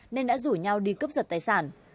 nên đã rủ nhau đi cướp giật tài sản